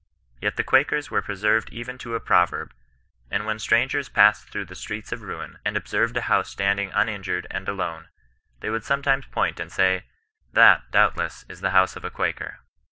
Yet the Quakers were pre served even to a proverb; and when strangers passed through streets of ruin, and observed a house standing uninjured and alone, they would sometimes point and say, ' That, doubtless, is the house of a Quaker.